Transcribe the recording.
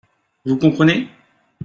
Vous conprenez ?